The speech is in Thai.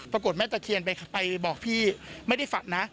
แม่ตะเคียนไปบอกพี่ไม่ได้ฝันนะ